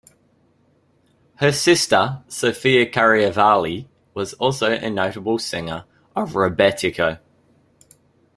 Her sister, Sofia Karivali, was also a notable singer of rebetiko.